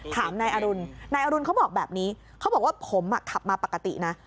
ถามนายอรุณนายอรุณเขาบอกแบบนี้เขาบอกว่าผมขับมาปกตินะ